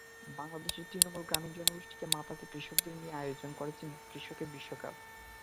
বাংলাদেশের তৃণমূল গ্রামীণ জনগোষ্ঠীকে মাতাতে কৃষকদের নিয়ে আয়োজন করেছেন কৃষকের বিশ্বকাপ।